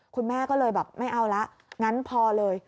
คุณแม่ก็เลยแบบไม่เอาละงั้นพอเลย